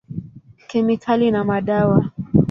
Kemikali na madawa.